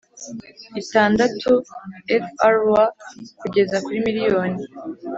Itandatu frw kugeza kuri miliyoni